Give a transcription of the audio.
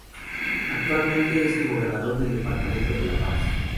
Actualmente es el Gobernador del Departamento de La Paz.